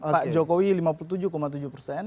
pak jokowi lima puluh tujuh tujuh persen